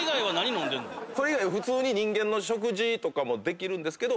それ以外普通に。とかもできるんですけど。